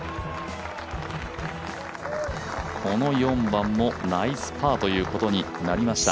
この４番もナイスパーということになりました。